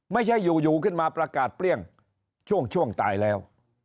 ไม่ใช่อยู่ขึ้นมาประกาศเปรี้ยงช่วงตายแล้ว